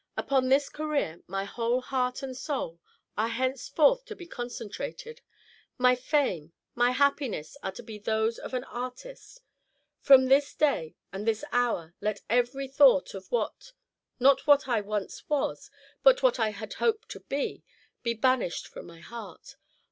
"Upon this career my whole heart and soul are henceforth to be concentrated; my fame, my happiness are to be those of the artist. From this day and this hour let every thought of what not what I once was, but what I had hoped to be, be banished from my heart.